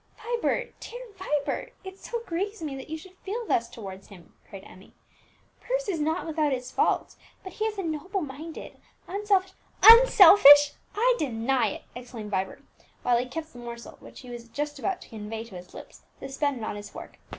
"Vibert, dear Vibert, it so grieves me that you should feel thus towards him," cried Emmie. "Bruce is not without his faults, but he is a noble minded, unselfish " "Unselfish! I deny it!" exclaimed Vibert, while he kept the morsel which he was just about to convey to his lips suspended on his fork.